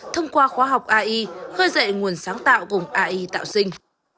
thông qua khoa học ai khơi dậy nguồn sáng tạo cùng ai tạo sinh